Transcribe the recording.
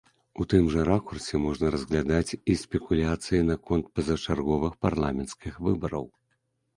У тым жа ракурсе можна разглядаць і спекуляцыі наконт пазачарговых парламенцкіх выбараў.